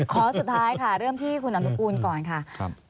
ขอสุดท้ายค่ะเริ่มที่คุณอนุกูลก่อนค่ะ